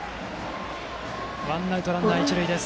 ワンアウトランナー、一塁です。